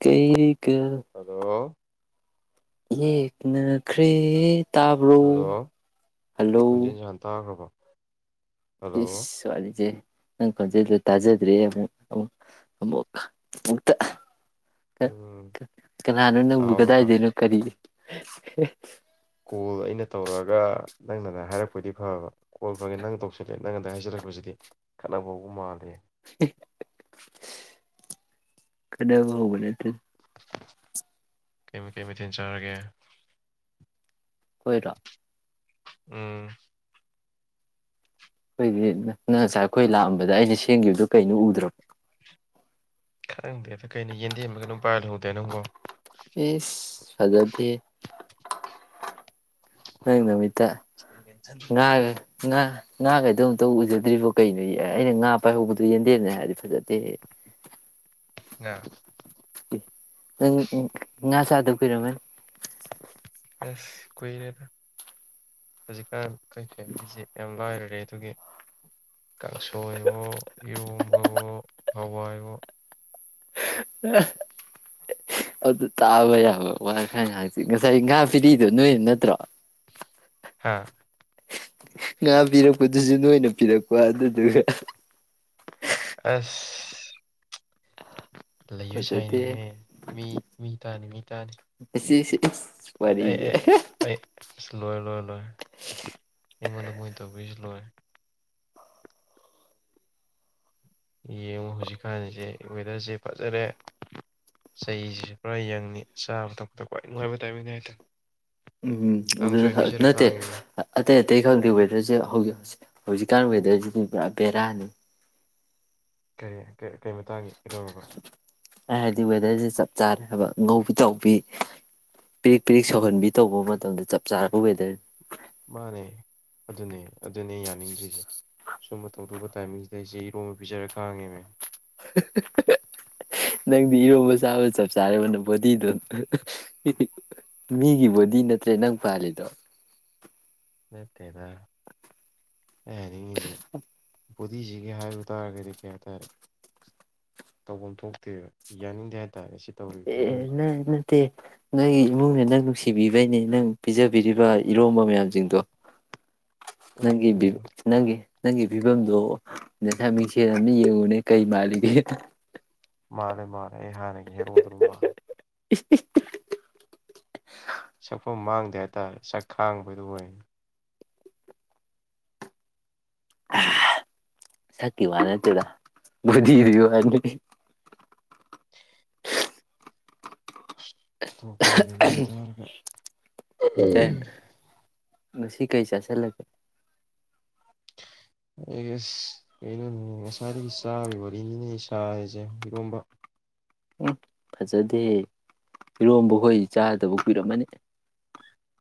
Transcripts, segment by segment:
ꯀꯩ ꯍꯜꯂꯣ ꯌꯦꯛꯅꯈ꯭ꯔꯦ ꯍꯜꯂꯣ ꯇꯥꯕ꯭ꯔꯣ ꯑꯩ ꯍꯜꯂꯣ ꯈꯣꯟꯖꯦꯟꯖꯦ ꯍꯥꯟ ꯇꯥꯒꯔꯥꯕꯣ ꯏꯁ ꯋꯥꯔꯤꯖꯦ ꯅꯪ ꯈꯣꯟꯖꯦꯜꯗꯣ ꯇꯥꯖꯗꯔ꯭ꯦ ꯑꯃꯨꯛ ꯑꯃꯨꯛ ꯑꯃꯨꯈꯥ ꯑꯃꯨꯛꯇ ꯎꯝ ꯀꯅꯥꯅꯣ ꯅꯪꯕꯨ ꯇꯥꯍꯧꯔꯣ ꯇꯥ ꯀꯗꯥꯏꯗꯩꯅꯣ ꯀꯔꯤ [unintelligible] ꯀꯣꯜ ꯑꯩꯅ ꯇꯧꯔꯛꯑꯒ ꯅꯪꯅꯅ ꯍꯥꯏꯔꯛꯄꯗꯤ ꯐꯕ ꯀꯣꯜ ꯐꯪꯉꯤ ꯅꯪ ꯇꯧꯁꯤꯜꯂꯦ ꯅꯪ ꯑꯗꯥꯏ ꯍꯥꯏꯖꯜꯂꯛꯄꯖꯤꯗꯤ ꯈꯠꯅꯕ ꯍꯧꯕ ꯃꯥꯜꯂꯦ ꯈꯠꯅꯕ ꯍꯧꯕ ꯅꯠꯇꯦ ꯀꯩꯃꯤ ꯀꯩ ꯃꯊꯦꯟ ꯆꯥꯔꯒꯦ ꯑꯣꯏꯔꯣ ꯎꯝ ꯈꯣꯏꯗꯤ ꯅꯪ ꯉꯁꯥꯏ ꯈꯣꯏ ꯂꯥꯛꯑꯝꯕꯗ ꯑꯩꯅ ꯁꯦꯝꯒꯤꯕꯗꯣ ꯀꯩꯅꯣ ꯎꯗ꯭ꯔꯣ ꯈꯪꯗꯦꯗ ꯀꯩꯅ ꯌꯦꯟꯗꯦꯝꯂ ꯀꯩꯅꯣꯝ ꯄꯥꯏꯔ ꯂꯩꯍꯧꯗꯥꯏ ꯅꯪꯕꯣ ꯏꯁ ꯐꯖꯗꯦ ꯅꯪ ꯅꯃꯤꯠꯇ ꯉꯥꯒ ꯉꯥ ꯉꯥꯒꯗꯣ ꯑꯝꯇ ꯎꯖꯗ꯭ꯔꯤꯕꯣ ꯀꯩꯅꯣ ꯑꯩꯅ ꯉꯥ ꯄꯥꯏꯍꯧꯕꯗꯣ ꯌꯦꯟꯗꯦꯝꯅꯦ ꯍꯥꯏꯔꯗꯤ ꯐꯖ ꯇꯦꯍꯦ ꯉꯥ ꯅꯪ ꯉꯥ ꯆꯥꯗꯕ ꯀꯨꯏꯔꯝꯃꯅꯤ ꯑꯁ ꯀꯔꯦꯗ ꯍꯨꯖꯤꯀꯥꯟ ꯈꯣꯏ ꯐꯦꯝꯂꯤꯖꯦ ꯌꯥꯝ ꯂꯥꯏꯔꯦ ꯔꯦ ꯗꯨꯒꯤ ꯀꯥꯡꯁꯣꯏꯍꯣ ꯏꯔꯣꯟꯕꯍꯣ ꯍꯋꯥꯏꯍꯣ ꯑꯗꯨ ꯇꯥꯕꯌꯥ ꯑꯣ ꯋꯥ ꯈꯔ ꯉꯥꯡꯖꯤ ꯉꯁꯥꯏ ꯉꯥ ꯄꯤꯔꯤꯗꯣ ꯅꯣꯏꯅ ꯅꯠꯇ꯭ꯔꯣ ꯍꯥꯥ ꯉꯥ ꯄꯕꯤꯔꯛꯄ ꯑꯗꯨꯁꯨ ꯅꯣꯏꯅ ꯄꯤꯔꯛꯄ ꯑꯗꯨꯗꯨꯒ ꯑꯁ ꯂꯩꯕ ꯐꯖꯗꯦ ꯁꯥꯏꯅꯤꯅꯦ ꯃꯤ ꯃꯤ ꯇꯥꯅꯤ ꯃꯤ ꯇꯥꯅꯤ ꯑꯁꯤꯁꯦ ꯏꯁ ꯑꯩ ꯑꯩ ꯋꯥꯔꯤꯁꯦ ꯑꯩ ꯑꯩ ꯁꯤ ꯂꯣꯏꯔꯦ ꯂꯣꯏꯔꯦ ꯂꯣꯏꯔ ꯑꯩꯉꯣꯟꯗ ꯃꯣꯏ ꯇꯧꯕꯤꯔꯤꯁꯨ ꯂꯣꯏꯔꯦ ꯌꯦꯡꯉꯨ ꯍꯧꯖꯤꯛꯀꯥꯟꯁꯦ ꯋꯦꯗꯔꯁꯦ ꯐꯖꯔꯦ ꯆꯍꯤꯁꯤꯁꯨ ꯄꯨꯔꯥ ꯌꯡꯅꯤ ꯆꯥꯕ ꯊꯛꯄꯗ ꯈ꯭ꯋꯥꯏ ꯅꯨꯡꯉꯥꯏꯕ ꯇꯥꯏꯃꯤꯡꯅꯤ ꯍꯥꯏꯇꯥꯔꯦ ꯀꯥꯡꯁꯣꯏ ꯅꯠ ꯄꯤꯖꯔ ꯅꯠꯇꯦ ꯀꯥꯡꯉꯤꯃꯦ ꯑꯇꯩ ꯑꯇꯩ ꯈꯪꯗꯦ ꯋꯦꯗꯔꯁꯦ ꯍꯧꯖꯤꯛ ꯍꯧꯁ ꯍꯧꯖꯤꯛꯀꯥꯟ ꯋꯦꯗꯔꯁꯤꯗꯤ ꯄꯨꯔꯥ ꯕꯦꯔꯥꯅꯤ ꯀꯔꯤ ꯀꯩ ꯃꯇꯥꯡꯒꯤ ꯀꯩꯗꯧꯔꯕ ꯑꯩ ꯍꯥꯏꯗꯤ ꯋꯦꯗꯔꯁꯦ ꯆꯞ ꯆꯥꯔꯦ ꯍꯥꯏꯕ ꯉꯧꯕꯤ ꯇꯧꯕꯤ ꯄꯤꯔꯤꯛ ꯄꯤꯔꯤꯛ ꯁꯧꯍꯟꯕꯤ ꯇꯧꯕ ꯃꯇꯝꯗ ꯆꯞ ꯆꯥꯔꯕ ꯋꯦꯗꯔꯅꯤ ꯃꯥꯅꯦ ꯑꯗꯨꯅꯦ ꯑꯗꯨꯅꯦ ꯌꯥꯅꯤꯡꯗ꯭ꯔꯤꯁꯦ ꯁꯨꯝꯕ ꯇꯧꯗꯣꯛꯄ ꯇꯥꯏꯃꯤꯡꯁꯤꯗꯩ ꯑꯩꯁꯦ ꯏꯔꯣꯝꯝꯕ ꯄꯤꯖꯔ ꯀꯥꯡꯥꯡꯉꯦ ꯃ ꯅꯪꯗꯤ ꯏꯔꯣꯟꯕ ꯆꯥꯕꯁꯨ ꯆꯞ ꯆꯥꯔꯦ ꯕꯣꯗꯤꯗꯣ ꯃꯤꯒꯤ ꯕꯣꯗꯤ ꯅꯠꯇ꯭ꯔꯦ ꯅꯪ ꯄꯥꯜꯂꯤꯗꯣ ꯅꯠꯇꯦꯗ ꯑꯦ ꯅꯤꯡꯉꯁꯤꯦ ꯕꯣꯗꯤꯤꯁꯤꯒꯤ ꯍꯥꯏꯔꯨ ꯇꯥꯔꯒꯗꯤ ꯀꯩ ꯍꯥꯏꯇꯥꯔꯦ ꯇꯧꯐꯝ ꯊꯣꯛꯇꯦꯕ ꯌꯥꯅꯤꯡꯗꯦ ꯍꯥꯏ ꯑꯦ ꯑꯦ ꯅ ꯅꯠꯇꯦ ꯅꯪꯒꯤ ꯏꯃꯨꯡꯅꯦ ꯅꯪ ꯅꯨꯡꯁꯤ ꯅꯨꯡꯁꯤꯕꯤꯕꯩꯅꯦ ꯅꯪ ꯄꯤꯖꯕꯤꯔꯤꯕ ꯏꯔꯣꯝꯕ ꯃꯌꯥꯝꯁꯤꯡꯗꯣ ꯅꯒꯤꯕꯤꯞ ꯑꯣ ꯅꯪꯒꯤ ꯅꯪꯒꯤ ꯐꯤꯕꯝꯗꯣ ꯅꯁꯃꯤꯡꯁꯦꯜ ꯑꯃꯅ ꯌꯦꯡꯉꯨꯅꯦ ꯀꯩ ꯃꯥꯜꯂꯤꯒꯦꯗꯣ ꯃꯥꯅꯦ ꯃꯥꯅꯦ ꯑꯩ ꯍꯥꯟꯅꯒꯤ ꯍꯦꯔꯣꯗꯨ ꯑꯗꯨꯝ ꯋꯥꯉꯦ ꯏꯁ ꯏꯁ [inaudible] ꯁꯛꯐꯝ ꯃꯥꯡꯗꯦ ꯍꯥꯏꯇꯥꯔꯦ ꯁꯛ ꯈꯥꯡꯕꯗꯨ ꯑꯣꯏ ꯑꯑꯥꯍꯥꯥ ꯁꯛꯀꯤ ꯋꯥ ꯅꯦꯠꯇꯦꯗ ꯕꯣꯗꯤꯗꯨꯏ ꯋꯥꯅꯤ ꯑꯣꯟꯊꯣꯛꯄꯅꯤꯗ ꯃꯤꯅ ꯇꯔꯥꯒ ꯎꯝ ꯉꯁꯤ ꯀꯩ ꯆꯁꯜꯂꯒꯦ ꯑꯩꯒꯤꯁ ꯀꯩꯅꯣ ꯉꯁꯥꯏꯗꯒꯤ ꯆꯥꯕꯩ ꯋꯥ ꯑꯅꯤꯅꯦ ꯁꯥꯔꯤꯁꯦ ꯏꯔꯣꯝꯕ ꯎꯝ ꯐꯖꯗꯦ ꯏꯔꯣꯝꯕꯈꯣꯏ ꯆꯥꯗꯕ ꯀꯨꯏꯔꯝꯃꯅꯤ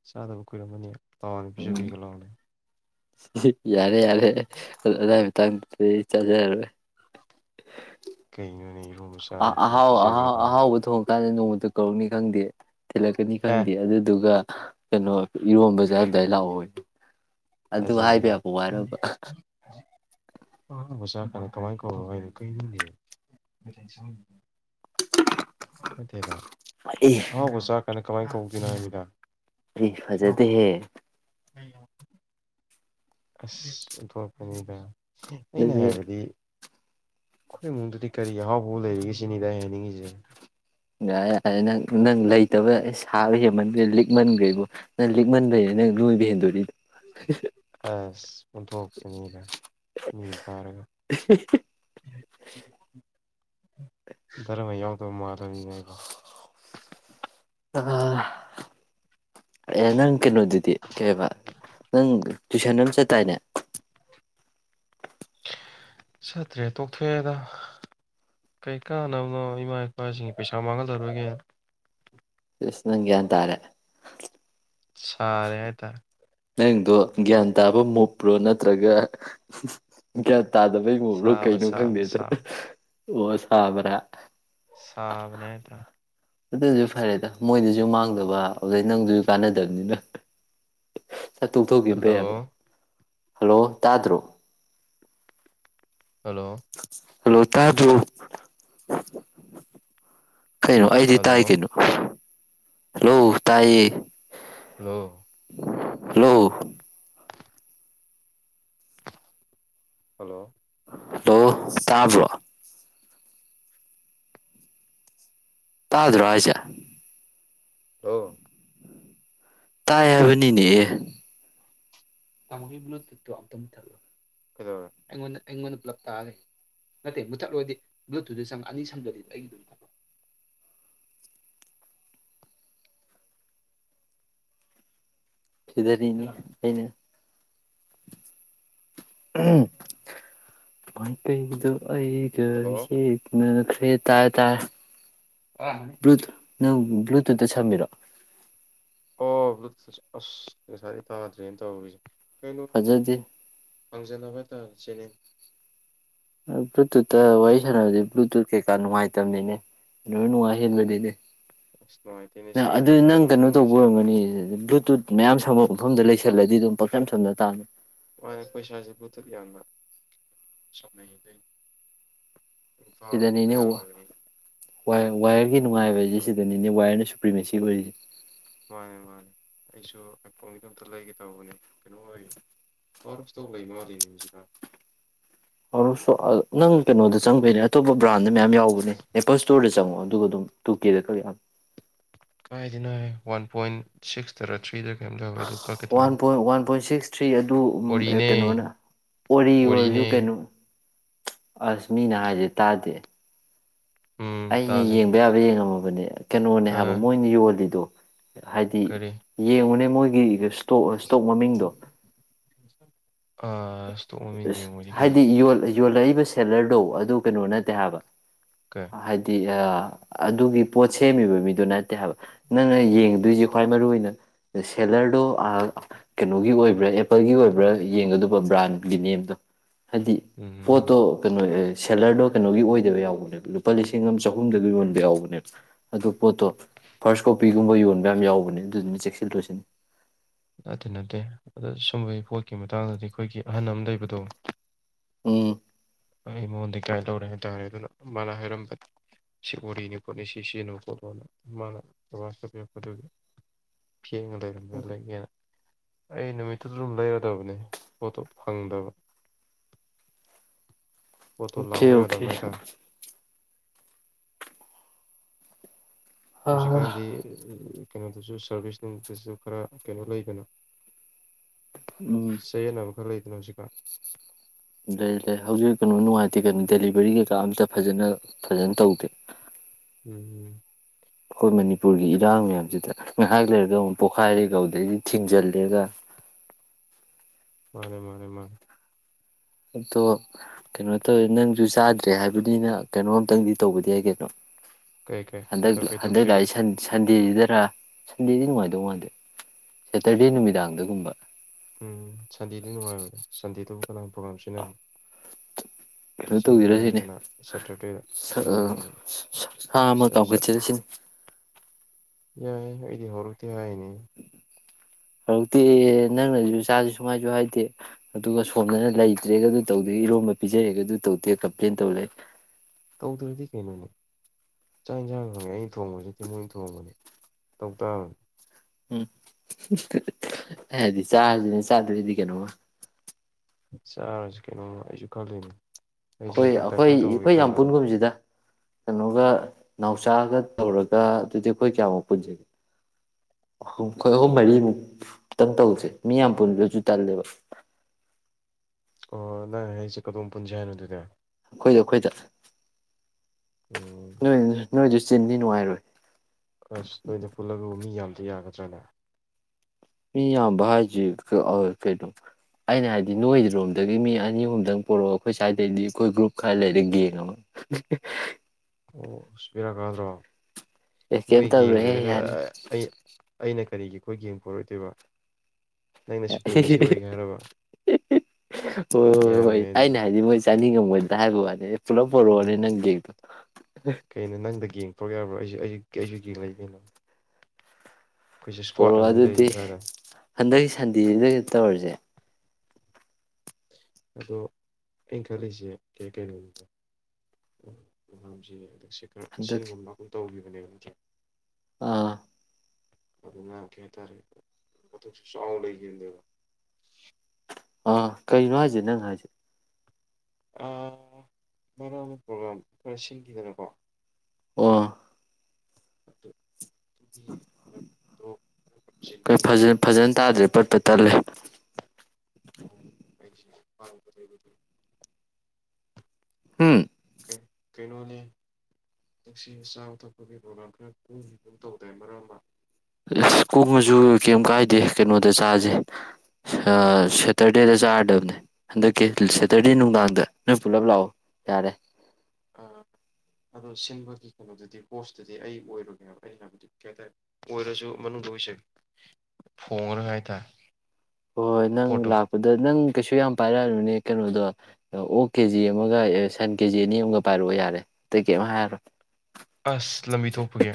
ꯆꯥꯗꯕ ꯀꯨꯏꯔꯝꯃꯅꯤ ꯂꯥꯎꯅꯦ ꯎꯝ ꯄꯤꯖꯕꯤꯒꯦ ꯂꯥꯎꯅꯦ ꯌꯥꯔꯦ ꯌꯥꯔꯦ ꯑꯗꯨ ꯑꯗꯨꯗꯥꯏ ꯃꯇꯥꯡꯗꯨꯗꯤ ꯆꯥꯖꯔꯔꯣꯏ ꯀꯩꯅꯣꯅꯦ ꯏꯔꯣꯝꯕ ꯆꯥꯗꯕ ꯀꯨꯏꯔꯦ ꯑꯍꯥꯎ ꯄꯤꯖꯒꯦ ꯑꯥꯎ ꯂꯥꯎꯅꯦ ꯑꯍꯥꯎꯣ ꯆꯥꯗ ꯅꯣꯡꯃꯇ ꯀꯧꯔꯛꯅꯤ ꯈꯪꯗꯦ ꯊꯤꯜꯂꯛꯀꯅꯤ ꯑꯦ ꯈꯪꯗꯦ ꯑꯗꯨꯗꯨꯒ ꯀꯩꯅꯣ ꯏꯔꯣꯝꯕꯖꯥꯔꯝꯗꯥꯏ ꯂꯥꯛꯑꯣ ꯑꯗꯨ ꯖꯔꯤ ꯍꯥꯏꯕ ꯌꯥꯕ ꯋꯥꯔꯕ ꯑꯣꯖꯥ ꯀꯅ ꯀꯃꯥꯏꯅ ꯀꯧꯔꯣ ꯍꯥꯏꯅꯣ ꯀ ꯗ ꯑꯦ ꯍ ꯁꯥ ꯀꯅ ꯀꯃꯥꯏꯅ ꯀꯧꯗꯦꯅꯉꯃꯤꯗꯥ ꯑꯩ ꯐꯖꯗꯍꯦ ꯑ ꯑꯁ ꯗꯣꯛꯄꯅꯤꯗ ꯑꯩꯅ ꯑꯗꯨꯗꯤ ꯍꯥꯏꯕꯗꯤ ꯑꯩꯈꯣꯏ ꯏꯃꯨꯡꯗꯗꯤ ꯀꯔꯤ ꯑꯍꯥꯎꯕꯥꯎ ꯂꯩꯔꯤꯒꯦ ꯁꯤꯅꯤꯗ ꯍꯥꯏꯅꯤꯡꯉꯤꯁꯦ ꯅꯪ ꯅꯪ ꯂꯩꯇꯕ ꯑꯩ ꯁꯥꯕ ꯍꯦꯟꯃꯟꯈ꯭ꯔꯦ ꯂꯤꯛꯃꯟꯈꯦꯕꯨ ꯅꯪ ꯂꯤꯛꯃꯟꯕꯩ ꯅꯪ ꯂꯣꯏꯕ ꯍꯦꯟꯗꯣꯔꯤꯣ ꯑꯁ ꯄꯨꯟꯊꯣꯛꯀꯅꯤꯗ ꯃꯤ ꯇꯥꯔꯒ ꯙꯔꯃ ꯌꯥꯎꯗꯕ ꯃꯥꯜꯂꯅꯤꯅꯦ ꯑꯩꯀꯣ ꯑꯦ ꯅꯪ ꯀꯩꯅꯣꯗꯨꯗꯤ ꯀꯩ ꯍꯥꯏꯕ ꯅꯪ ꯇꯨꯏꯁꯟ ꯑꯃ ꯆꯠꯇꯥꯥꯏꯅꯦ ꯆꯠꯇ꯭ꯔꯦ ꯇꯣꯛꯊꯣꯛꯑꯦꯗ ꯀꯩ ꯀꯥꯟꯅꯕꯅꯣ ꯏꯃꯥ ꯏꯄꯥꯁꯤꯡꯒꯤ ꯄꯩꯁꯥ ꯃꯥꯡꯍꯜꯂꯔꯣꯏꯒꯦꯅ ꯀꯁ ꯅꯪꯒꯦ ꯇꯔꯦ ꯁꯔꯦ ꯍꯥꯏ ꯇꯔ ꯅꯌꯦꯡꯗꯣ ꯒ꯭ꯌꯥꯟ ꯇꯥꯕ ꯃꯨꯞꯄ꯭ꯔꯣ ꯅꯠꯇ꯭ꯔꯒꯟ ꯇꯥꯗꯕꯩꯉꯨꯕ꯭ꯔꯣ ꯁꯥꯕ ꯀꯩꯅꯣ ꯁꯥꯕ ꯈꯪꯗꯦꯗ ꯁꯥꯕ ꯑꯣꯣ ꯁꯥꯕ꯭ꯔꯥ ꯁꯥꯕꯅꯦꯗꯔ ꯑꯗꯨꯁꯨ ꯐꯔꯦꯗ ꯃꯣꯏꯗꯁꯨ ꯃꯥꯡꯗꯕ ꯑꯗꯨꯗꯩ ꯅꯪꯗꯨꯁꯨ ꯀꯥꯟꯅꯗꯕꯅꯤꯅ ꯆꯠꯇꯣꯛꯊꯣꯛꯈꯤꯕ ꯑꯃ ꯍꯜꯂꯣ ꯄꯩꯕ ꯍꯜꯂꯣ ꯇꯥꯗ꯭ꯔꯣ ꯍꯜꯂꯣ ꯍꯜꯂꯣ ꯇꯥꯖ ꯀꯩꯅꯣ ꯑꯩꯗꯤ ꯇꯥꯏ ꯍꯜꯂꯣ ꯀꯩꯅꯣ ꯍꯜꯂꯣ ꯇꯥꯏꯌꯦ ꯍꯂꯣ ꯍꯜꯂꯣ ꯍꯜꯂꯣ ꯍꯜꯂꯣ ꯇꯥꯕ꯭ꯔꯣ ꯇꯥ꯭ꯔꯣ ꯔꯖ ꯑ ꯇꯥꯏ ꯍꯥꯏꯕꯅꯤꯅꯦꯍ ꯇꯥꯃꯣꯒꯤ ꯕ꯭ꯂꯨꯇꯨꯠꯇꯣ ꯑꯨꯇ ꯃꯨꯠꯊꯠꯂꯣ ꯑꯩꯉꯣꯟꯗ ꯄꯨꯂꯞ ꯇꯥꯔ ꯅꯠꯇꯦ ꯃꯨꯠꯊꯠꯂꯨꯔꯗꯤ ꯕ꯭ꯂꯨꯇꯨꯠꯇ ꯆꯪꯉ ꯑꯅꯤ ꯁꯝꯖꯗꯗ ꯑꯩꯒꯤ ꯑꯗꯨꯝꯠꯂꯣ ꯁꯤꯗꯅꯤꯅꯦ ꯃꯨꯠꯊꯠꯂꯕ ꯑꯈꫭꯏꯅ ꯃꯇꯗꯨ ꯑꯩꯒ ꯍꯜꯂꯣ ꯏꯆꯦꯛꯅ ꯑꯦ ꯇꯥꯏ ꯇꯥꯏ ꯑꯔꯥꯟꯕꯅꯤ ꯕ꯭ꯔꯗ ꯅꯪ ꯕ꯭ꯂꯨꯇꯨꯠꯇ ꯁꯝꯃꯤꯔꫭ ꯑꯣ ꯕ꯭ꯂ ꯑꯁ ꯉꯁꯥꯏꯗꯩ ꯇꯥꯗ꯭ꯔꯦꯅꯦ ꯇꯧꯔꯤꯁꯦ ꯐꯖꯗꯦ ꯄꯪꯖꯟꯅꯕ ꯇꯥ ꯆꯦꯅꯦ ꯕ꯭ꯂꯨꯇꯨꯠꯇ ꯋꯥꯔꯤ ꯁꯥꯟꯅꯕꯗꯤ ꯕ꯭ꯂꯨꯇꯨꯠ ꯀꯩꯀꯥ ꯅꯨꯡꯉꯥꯏꯇꯕꯅꯤꯅꯦ ꯂꯣꯏ ꯅꯨꯡꯉꯥꯏ ꯍꯦꯟꯕꯅꯤꯅꯦ ꯑꯁ ꯅꯨꯡꯉꯥꯏꯇꯦꯅꯦ ꯅꯪ ꯁꯤꯒ ꯑꯗꯨ ꯍꯥꯏꯔꯗꯤ ꯅꯪ ꯀꯩꯅꯣꯅ ꯀꯩꯅꯣ ꯇꯧꯕ ꯅꯨꯡꯉꯥꯏꯖꯩ ꯑꯣꯏꯔꯝꯒꯅꯤ ꯕ꯭ꯂꯨꯇꯨꯠ ꯃꯌꯥꯝ ꯁꯝꯃ ꯃꯐꯝꯗ ꯂꯩꯁꯜꯂꯗꯤ ꯑꯗꯨꯝ ꯄꯪꯁꯝ ꯁꯝꯅ ꯇꯥꯕꯅꯤ ꯃꯥꯅꯦ ꯑꯈꫭꯏ ꯁꯥꯏꯁꯦ ꯕ꯭ꯂꯨꯇꯖꯠ ꯌꯥꯝꯅ ꯁꯝꯅꯩꯌꯦ ꯗꯨꯏꯅꯤ ꯁꯤꯗꯅꯦꯅꯦ ꯋꯥ ꯋꯥꯌꯔꯒꯤ ꯅꯨꯡꯉꯥꯏꯕ ꯍꯥꯏꯁꯦ ꯁꯤꯗꯅꯦ ꯅꯤꯅꯦ ꯋꯥꯏꯌꯔꯅ ꯁꯨꯄ꯭ꯔꯤꯃꯦꯁꯤ ꯑꯣꯏꯔꯤꯁꯦ ꯃꯥꯅꯦ ꯃꯥꯅꯦ ꯑꯩꯁꯨ ꯑꯩꯐꯣꯒꯤꯗꯝꯇ ꯂꯩꯒꯦ ꯇꯧꯕꯅꯦ ꯀꯩꯅꯣ ꯑꯣꯏꯌꯦ ꯑꯣꯔ ꯐꯇꯧ ꯂꯩ ꯃꯥꯜꯂꯤ ꯍꯧꯖꯤꯛꯀꯥꯟ ꯁꯨ ꯅꯪ ꯀꯩꯅꯣꯗ ꯆꯪꯕꯅꯦ ꯑꯇꯣꯞꯄ ꯕ꯭ꯔꯥꯟ ꯑꯗ ꯃꯌꯥꯝ ꯌꯥꯎꯕꯅꯦ ꯑꯦꯄꯜ ꯏꯁ꯭ꯣꯔꯗ ꯆꯪꯉꯣ ꯑꯗꯨꯒ ꯑꯗꯨꯝ ꯇꯨꯀꯦꯗ ꯀꯛ ꯌꯥ ꯀꯥꯏꯗꯩꯅꫭꯍꯦ ꯋꯥꯟ ꯄꯣꯏꯟ ꯁꯤꯛꯁꯇꯔꯥ ꯊ꯭ꯔꯤꯗ one point one point six three ꯑꯗꯨ ꯑ ꯑꯣꯔꯤꯅꯦ ꯀꯩꯅꯣꯅ ꯑꯣꯔꯤ ꯑꯣꯏꯔꯁꯨ ꯑꯣꯔꯤꯅꯦ ꯀꯩꯅꯣ ꯑꯁꯃꯤꯅ ꯍꯥꯏꯁꯦ ꯇꯥꯗꯦ ꯎꯝ ꯑꯩꯅ ꯇꯥꯖꯩ ꯌꯦꯡꯕ ꯌꯥꯕ ꯌꯦꯡꯉꯝ ꯃ ꯕꯅꯦ ꯀꯩꯅꯣꯅꯦ ꯍꯥꯏꯕ ꯑꯥ ꯃꯣꯏꯅ ꯌꯣꯜꯂꯤꯗꯣ ꯍꯥꯏꯗꯤ ꯀꯔꯤ ꯌꯦꯡꯉꯨꯅꯦ ꯃꯣꯏꯒꯤ ꯏꯁꯇꯣꯛ ꯇꯣꯛ ꯃꯃꯤꯡꯗꯣ ꯑꯥ ꯏꯁ ꯍꯥꯏꯗꯤ ꯌꯣꯜ ꯌꯣꯂ ꯂꯏꯕꯁꯤ ꯁꯦꯂꯔꯗꯣ ꯑꯗꯨ ꯀꯩꯅꯣ ꯅꯠꯇ ꯇꯦ ꯍꯥꯏꯕ ꯀꯩ ꯍꯥꯏꯗꯤ ꯑ ꯑꯗꯨ ꯑꯗꯨꯒꯤ ꯄꯣꯠ ꯁꯦꯝꯃꯤꯕ ꯃꯤꯗꯨ ꯅꯠꯇꯦ ꯍꯥꯏꯕ ꯅꯪꯅ ꯌꯦꯡꯗꯣꯏꯁꯤ ꯈ꯭ꯋꯥꯏ ꯃꯔꯨꯏ ꯑꯣꯏꯅ ꯁꯦꯂꯔꯗꯣ ꯑꯥ ꯀꯩꯅꯣꯒꯤ ꯑꯣꯏꯕ꯭ꯔꯥ ꯑꯦꯄꯜꯒꯤ ꯑꯣꯏꯕ꯭ꯔꯥ ꯌꯦꯡꯒꯗꯕ ꯕ꯭ꯔꯥꯟ [unintelligible] ꯍꯥꯏꯗꯤ ꯎꯝ ꯄꯣꯠꯇꯣ ꯀꯩꯅꯣ [unintelligible] ꯁꯦꯂꯔꯗꯣ ꯀꯩꯅꯣꯒꯤ ꯑꯣꯏꯗꯕ ꯌꯥꯎꯕꯅꯦꯕ ꯂꯨꯄꯥ ꯂꯤꯁꯤꯡ ꯑꯃ ꯆꯍꯨꯝꯗ ꯌꯣꯟꯕ ꯌꯥꯎꯕꯅꯦꯕ ꯑꯗꯨ ꯄꯣꯠꯇꯣ ꯐꯥꯔꯁ ꯀꯣꯄꯤꯒꯨꯝꯕ ꯌꯣꯟꯕ ꯌꯥꯝ ꯌꯥꯎꯕꯅꯦ ꯑꯗꯨꯗꯨꯅ ꯆꯦꯛꯁꯤꯜꯂꯣꯏꯁꯤꯅꯤ ꯅꯠꯇꯦ ꯅꯠꯇꯦ ꯑꯗ ꯁꯨꯝꯕꯒꯤ ꯄꯣꯠꯀꯤ ꯃꯇꯥꯡꯗꯗꯤ ꯑꯩꯈꯣꯏꯒꯤ ꯑꯍꯟ ꯑꯃ ꯂꯩꯕꯗꯣ ꯎꯝ ꯑꯩ ꯑꯩ ꯃꯉꯣꯟꯗꯤ ꯀꯃꯥꯏꯅ ꯇꯧꯔꯦ ꯍꯥꯏ ꯇꯥꯔꯦ ꯑꯗꯨꯅ ꯃꯥꯅ ꯍꯥꯏꯔꯝꯕ ꯁꯤ ꯑꯣꯏꯔꯤꯅꯤ ꯄꯣꯠꯅꯤ ꯁꯤ ꯁꯤꯖꯤꯟꯅꯨ ꯄꯣꯠꯂꯣꯅ ꯃꯥꯅ ꯕꯥꯖ ꯇꯧꯕꯤꯔꯛꯄꯗꯨꯒꯤ [unintelligible] ꯑꯩ ꯅꯨꯃꯤꯠꯇꯨꯗ ꯑꯗꯨꯝ ꯂꯩꯔꯗꯕꯅꯦ ꯄꯣꯠꯇꯣ ꯐꯪꯗꯕ ꯄꯣꯠꯇꯣ ꯑꯣꯀꯦ ꯂꯥꯛꯑꯣ ꯑꯣꯀꯦ ꯌꯥꯗꯕ ꯍꯥꯏꯇꯥꯔꯦ ꯍꯧꯖꯤꯀꯥꯟꯗꯤ ꯎꯝ ꯀꯩꯅꯣꯗꯨꯁꯨ ꯁꯥꯔꯚꯤꯁ ꯅꯨꯇꯁꯨ ꯈꯔ ꯀꯩꯅꯣ ꯂꯩꯗꯅ ꯆꯩꯌꯦꯠꯅꯕ ꯈꯔ ꯂꯩꯗꯅ ꯍꯧꯖꯤꯛꯀ ꯂꯩ ꯂꯩ ꯍꯧꯖꯤꯛ ꯀꯩꯅꯣ ꯅꯨꯡꯉꯥꯏꯇꯦ ꯀꯩꯅꯣ ꯗꯦꯂꯤꯚꯔꯤ ꯀꯩꯀꯥ ꯑꯝꯇ ꯐꯖꯅ ꯐꯖꯅ ꯇꯧꯗꯦ ꯎꯝ ꯑꯩꯈꯣꯏ ꯃꯅꯤꯄꯨꯔꯒꯤ ꯏꯔꯥꯡ ꯃꯌꯥꯝꯁꯤꯗ ꯉꯥꯏꯍꯥꯛ ꯂꯩꯔꯒ ꯑꯃꯨꯛ ꯄꯣꯛꯈꯥꯏꯔꯦꯒ ꯑꯗꯨꯗꯩꯗꯤ ꯊꯤꯡꯖꯤꯜꯂꯦꯒ ꯃꯥꯅꯦ ꯃꯥꯅꯦ ꯃꯥꯅꯦ ꯑꯗꯣ ꯀꯩꯅꯣ ꯇꯧꯋꯦ ꯅꯪꯁꯨ ꯆꯥꯗ꯭ꯔꯦ ꯍꯥꯏꯕꯅꯤꯅ ꯀꯩꯅꯣꯝꯇꯪꯗꯤ ꯇꯧꯕꯗꯤ ꯌꯥ ꯀꯩꯅꯣ ꯀꯩ ꯀꯩ ꯍꯪꯗꯛ ꯀꯩꯗꯧ ꯍꯪꯗꯛ ꯀꯩꯗꯧꯁꯤꯒꯦ ꯂꯥꯏꯁꯟ ꯁꯟ ꯁꯟꯗꯦꯁꯤꯗꯔ ꯁꯟꯗꯦꯗꯤ ꯅꯨꯡꯉꯥꯏꯗꯧ ꯃꯥꯗꯦ ꯁꯦꯇꯔꯗꯦ ꯅꯨꯃꯤꯗꯥꯡꯗꯒꯨꯝꯕ ꯅꯪ ꯄ꯭ꯔꯣꯒ꯭ꯔꯝ ꯁꯤꯟꯅꯈꯤ ꯀꯩꯅꯣ ꯇꯧꯁꯤꯔꯁꯤꯅꯦ ꯁꯥ ꯁꯤꯟꯒꯦ ꯍꯥꯏꯔꯒꯅ ꯁꯥ ꯑꯃ ꯁꯇꯔ ꯀꯥꯞꯈꯠꯆꯔꯁꯤꯅꯤ ꯌꯥꯏ ꯑꯩꯗꯤ ꯍꯔꯛꯇ ꯍꯥꯏꯅꯦ ꯍꯧꯔꯛꯇꯤ ꯅꯪꯅꯁꯨ ꯆꯥꯁꯤ ꯁꯨꯡꯉꯥꯏꯁꯨ ꯍꯥꯏꯗꯦ ꯑꯗꯨꯒ ꯁꯣꯝꯗꯅ ꯂꯩꯇ꯭ꯔꯦꯒ ꯑꯗꯨ ꯇꯧꯗꯦ ꯏꯔꯣꯝꯕ ꯄꯤꯖꯔꯦꯒ ꯑꯗꯨ ꯇꯧꯗꯦ ꯀꯝꯄ꯭ꯂꯦꯟ ꯇꯧ ꯂꯩ ꯇꯧꯗ꯭ꯔꯗꯤ ꯀꯩꯅꯣꯅꯤ ꯆꯥꯛ ꯌꯦꯟꯁꯥꯡ ꯈꯪꯉꯦ ꯑꯩꯅ ꯊꯣꯡꯕꯖꯤꯠꯇꯦ ꯃꯣꯏ ꯊꯣꯡꯕꯅꯤ ꯇꯧ ꯇꯥꯕꯅꯤ ꯎꯝ ꯑꯩ ꯍꯥꯏꯗꯤ ꯆꯥꯔꯁꯤꯅꯦ ꯆꯥꯗꯣꯏꯗꯤ ꯀꯩꯅꯣꯃ ꯆꯔꯁꯤ ꯀꯩꯅꯣꯃ ꯑꯩꯁꯨ ꯈꯜꯂꯤꯅꯤ ꯍꯣꯏ ꯑꯩꯈꯣꯏ ꯑꯩꯈꯣꯏ ꯌꯥꯝ ꯄꯨꯨꯟꯒꯨꯝꯕꯁꯤꯗ ꯀꯩꯅꯣꯒ ꯅꯥꯎ ꯆꯥꯒ ꯇꯧꯔꯒ ꯑꯗꯨꯗꯤ ꯑꯩꯈꯣꯏ ꯀꯌꯥꯃꯨꯛ ꯄꯨꯟꯁꯤꯒꯦ ꯑꯍꯨꯝ ꯑꯩꯈꯣꯏ ꯑꯍꯨꯝ ꯃꯔꯤꯃꯨꯛꯇꯪ ꯇꯧꯁꯦ ꯃꯤ ꯌꯥꯝ ꯄꯨꯟꯕ꯭ꯔꯁꯨ ꯇꯜꯂꯦꯕ ꯑꯣ ꯅꯪ ꯑꯩꯁꯦ ꯀꯗꯣꯝ ꯄꯨꯟꯁꯦ ꯍꯥꯏꯅꯣ ꯑꯗꯨꯗꯤ ꯑꯩꯈꯣꯏꯗ ꯑꯩꯈꯣꯏꯗ ꯎꯝ ꯅꯣꯏ ꯅꯣꯏꯁ ꯆꯤꯟꯗꯤ ꯅꯨꯡꯉꯥꯏꯔꯣꯏ ꯑꯁ ꯅꯣꯏꯗ ꯄꯨꯜꯂꯒꯕꯨ ꯃꯤ ꯌꯥꯝ ꯌꯥꯒꯗ꯭ꯔꯥꯅꯦ ꯃꯤ ꯌꯥꯝꯕ ꯍꯥꯏꯁꯤ ꯀꯩꯅꯣ ꯑꯩꯅ ꯍꯥꯏꯗꯤ ꯅꯣꯏꯔꯣꯝꯗꯒꯤ ꯃꯤ ꯑꯅꯤ ꯑꯍꯨꯝꯗꯪ ꯄꯔꯛꯑꯣ ꯑꯩꯈꯣꯏ ꯁ꯭ꯋꯥꯏꯗꯩꯗꯤ ꯑꯩꯈꯣꯏ ꯒ꯭ꯔꯨꯞ ꯈꯔ ꯂꯩꯔ ꯒꯦꯡ ꯑꯃ ꯑꯣ ꯁꯃꯤꯔꯥ ꯀꯥꯗ꯭ꯔꯣ ꯑꯦ ꯀꯩꯝ ꯅꯣꯏ ꯌꯦꯡ ꯇꯧꯔꯣꯏꯍꯦ ꯂꯩꯔꯒ ꯌꯥꯅꯤ ꯑꯩꯅ ꯀꯔꯤꯒꯤ ꯑꯩꯈꯣꯏ ꯌꯦꯡ ꯐꯔꯣꯏꯗꯣꯏꯕ ꯍꯣꯏ ꯍꯣꯏ ꯍꯣꯏ ꯌꯥꯔꯣꯏ ꯑꯗꯨꯗꯤ ꯑꯩꯅ ꯍꯥꯏꯗꯤ ꯃꯣꯏ ꯆꯥꯅꯤꯡꯉꯝ ꯑꯣꯏꯣꯏꯗꯒꯣ ꯋꯥꯅꯦꯦ ꯄꯨꯂ ꯐꯋꯥꯅꯤ ꯎꯝ ꯅꯪꯒꯗ ꯇꯧꯛ ꯌꯥꯕ꯭ꯔꯥ ꯑꯩꯁꯨ ꯑꯩꯁꯨ ꯌꯦꯡꯗꯅ ꯄꯔꯣ ꯑꯗꯨꯗꯤ ꯂꯩꯔꯤꯁꯦ ꯁ꯭ꯋꯥꯏꯗ ꯍꯟꯗꯛ ꯁꯟꯗꯤꯁꯤꯗ ꯇꯧꯔꯤꯁꯦ ꯑꯗꯣ ꯑꯩꯅ ꯈꯜꯂꯤꯁꯦ ꯀꯩ ꯀꯩꯅꯣꯕꯥꯝꯖꯒꯦ ꯈꯔ ꯍꯟꯗꯛꯀꯤ ꯁꯤꯟꯒꯨꯝꯕ ꯑꯗꯨꯨꯝ ꯇꯧꯕꯤꯌꯨ ꯁ ꯑꯥ ꯑꯗꯨ ꯉ ꯀꯦ ꯇꯔꯦ ꯁꯥꯎ ꯂꯩꯗꯕ ꯑꯥ ꯀꯔꯤꯅꯣ ꯍꯥꯏꯁꯦ ꯅꯪ ꯍꯥꯏꯁ ꯃꯕ ꯄ꯭ꯔꯣꯒ꯭ꯔꯥꯝ ꯈꯔ ꯁꯤꯟꯈꯤꯗꯅꯀꯣ ꯑꯣ ꯑꯗꯨ ꯑꯗꯨꯒꯤ ꯃꯔꯛꯇꯣ ꯀ ꯑꯩꯅ ꯈꯜꯂꯤꯁꯦ ꯐꯖꯅ ꯇꯥꯗ꯭ꯔꯦ ꯄꯠ ꯇꯂꯦ ꯍꯥꯎ ꯀ ꯎꯝ ꯀꯩꯅꯣꯅꯤ ꯆꯦꯛꯁꯤ ꯆꯥꯕ ꯊꯛꯄꯒꯤ ꯄ꯭ꯔꯣꯒ꯭ꯔꯥꯝ ꯈꯔ ꯀ ꯑꯗꯨ ꯇꯧꯗꯦ ꯃꯔꯝ ꯑꯃ ꯑꯁ ꯀꯣꯃꯁꯨ ꯀꯩ ꯀꯥꯏꯗꯦ ꯀꯩꯅꯣꯗ ꯆꯥꯁꯦ ꯁꯦꯇꯔꯗꯦꯗ ꯆꯥꯔꯗꯕꯅꯦ ꯍꯟꯗꯛꯀꯤ ꯁꯦꯇꯔꯗꯦ ꯅꯨꯡꯗꯥꯡꯗ ꯅꯣꯏ ꯄꯨꯂꯞ ꯂꯥꯛꯑꯣ ꯌꯥꯔꯦ ꯑꯗꯣ ꯁꯤꯟꯕꯒꯤ ꯀꯩꯅꯣꯗꯨꯗꯤ ꯄꯣꯁꯇꯨꯗꯤ ꯑꯩ ꯑꯣꯏꯔꯨꯒꯦꯕ ꯑꯩꯅ ꯍꯥꯏꯕꯨꯗꯤ ꯀꯩ ꯍꯥꯏꯇꯥꯔꯦ ꯑꯣꯏꯔꯁꯨ ꯃꯅꯨꯡꯗ ꯑꯣꯏꯁꯦ ꯐꯣꯡꯉꯔ ꯍꯥꯏ ꯇꯔꯦ ꯍꯣꯏ ꯍꯣꯏ ꯅꯪ ꯂꯥꯛꯄꯗ ꯅꯪ ꯀꯩꯁꯨ ꯌꯥꯝ ꯄꯥꯏꯔꯛꯑꯅꯅꯦ ꯀꯩꯅꯣꯗꯣ ꯑꯣꯛ ꯀꯦꯖꯤ ꯑꯃꯒ ꯁꯟ ꯀꯦꯖꯤ ꯑꯅꯤ ꯑꯃꯒ ꯄꯥꯏꯔꯛꯑꯣ ꯌꯥꯔꯦ ꯇꯩꯀꯦ ꯑꯃ ꯍꯥꯏꯔꯣ ꯑꯁ ꯂꯝꯕꯤ ꯊꯣꯛꯄꯒꯦ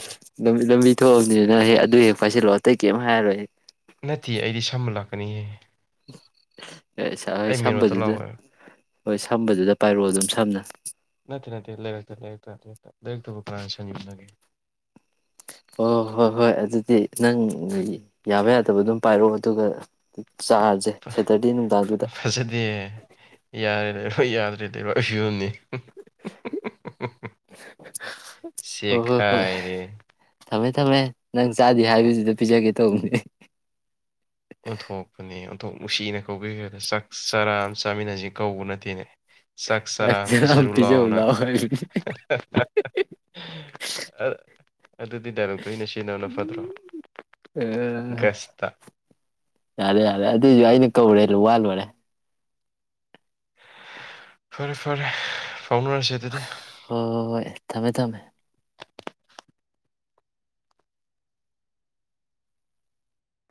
ꯄꯤꯊꯑꯕꯅꯤꯅ ꯍꯦꯛ ꯑꯗꯨ ꯍꯦꯛ ꯄꯥꯏꯁꯤꯜꯂꯣ ꯑꯇꯩ ꯀꯩꯝ ꯍꯥꯏꯔꯣꯏꯍꯦ ꯅꯠꯇꯦ ꯑꯩꯗꯤ ꯁꯅ ꯂꯥꯛꯀꯅꯤꯍꯦ [unintelligible] ꯑꯦ ꯑꯩꯣꯏ ꯑꯩ ꯃꯦꯟ ꯔꯣꯠꯇ ꯁꯝꯕꯗꯨꯗ ꯂꯥꯛꯑꯣ ꯍꯥꯏꯕ ꯍꯣꯏ ꯁꯝꯕꯗꯨꯗ ꯄꯥꯏꯔꯛꯑꯣ ꯑꯗꯨꯝ ꯁꯝꯅ ꯅꯠꯇꯦ ꯅꯠꯇꯦ ꯂꯩꯔꯛꯇ ꯂꯩꯔꯛꯇꯛꯇ ꯂꯩꯔꯛꯇꯕꯨ ꯀꯔꯥꯅ ꯁꯪꯉꯕꯒꯦ ꯑꯣ ꯍꯣꯏ ꯍꯣꯏ ꯑꯗꯨꯗꯤ ꯅꯪ ꯌꯥꯕ ꯌꯥꯗꯕ ꯑꯗꯨꯝ ꯄꯥꯏꯔꯛꯑꯣ ꯑꯗꯨꯒ ꯆꯥꯔꯁꯦ ꯁꯦꯇꯔꯗꯦ ꯅꯨꯡꯗꯥꯡꯗꯨꯗ ꯍꯣꯏ ꯌꯥꯗ꯭ꯔꯦꯗꯤꯕ ꯑꯩꯁꯨꯅꯤ ꯁꯦꯈꯥꯏ ꯔꯦ ꯊꯃꯦ ꯅꯪ ꯆꯥꯗꯦ ꯍꯥꯏꯗꯨꯗ ꯄꯤꯖꯒꯦ ꯇꯧ ꯑꯣꯊꯣꯛꯄꯅꯦ ꯊꯣꯛ ꯅꯨꯡꯁꯤꯅ ꯀꯧꯕꯤꯈ꯭ꯔꯦꯗ ꯆꯥꯛ ꯆꯔꯥ ꯑꯃ ꯆꯥꯃꯤꯟꯅꯁꯤ ꯀꯧꯕ ꯅꯠꯇꯦꯅꯦ ꯆꯥꯛ ꯆꯔꯥ ꯑꯃ ꯆꯆꯝ ꯄꯤꯖꯔꯨ ꯄꯤꯖꯦ ꯂꯥꯎꯅ ꯑꯣꯂꯑꯣ ꯍꯥꯏ ꯑ- ꯑꯗꯨꯗꯤ ꯗꯥꯏꯔꯛꯇꯣ ꯑꯩꯅ ꯁꯤꯖꯤꯟꯅꯧꯅ ꯐꯗ꯭ꯔꯣ ꯒꯁꯇ ꯌꯥꯔꯦ ꯌꯥꯔꯦ ꯑꯗꯨꯗꯤꯁꯨꯏꯅꯤ ꯧ ꯎꯔꯦ ꯂ ꯋꯥꯜ ꯋꯥꯔꯦ ꯐꯔꯦ ꯐꯔꯦ ꯀꯥꯎꯅꯔꯁꯦ ꯑꯗꯨꯗꯤ ꯍꯣꯏ ꯍꯣꯏ ꯍꯣꯏ ꯊꯝꯃꯦ ꯊꯝꯃꯦ